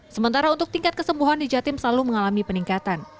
sementara untuk tingkat kesembuhan di jatim selalu mengalami peningkatan